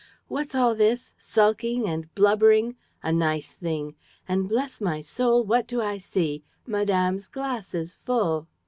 "What's all this? Sulking? And blubbering? A nice thing! And, bless my soul, what do I see? Madame's glass is full!"